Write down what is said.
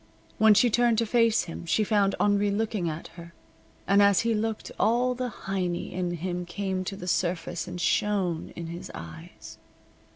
When she turned to face him she found Henri looking at her, and as he looked all the Heiny in him came to the surface and shone in his eyes.